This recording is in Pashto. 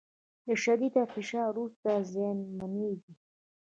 له شدید فشار وروسته زیانمنېږي